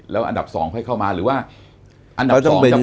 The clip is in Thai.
แล้วอันดับสองเขาให้เข้ามาหรือว่าอันดับสองจะไปจัดคู่